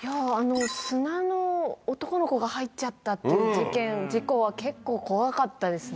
砂の男の子が入っちゃったっていう事件事故は結構怖かったですね。